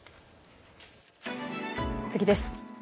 次です。